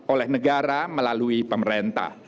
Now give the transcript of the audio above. oleh negara melalui pemerintah